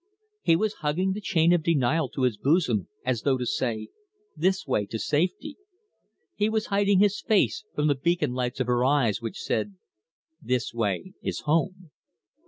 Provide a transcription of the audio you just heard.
He was hugging the chain of denial to his bosom, as though to say, "This way is safety"; he was hiding his face from the beacon lights of her eyes, which said: "This way is home."